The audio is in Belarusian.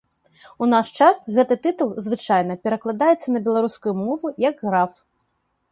У наш час гэты тытул звычайна перакладаецца на беларускую мову як граф.